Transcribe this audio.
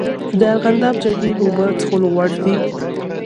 د ارغنداب جهیل اوبه څښلو وړ دي؟